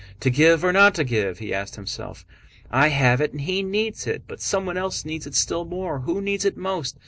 "To give or not to give?" he had asked himself. "I have it and he needs it. But someone else needs it still more. Who needs it most?